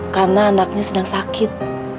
karena anaknya sedang sakit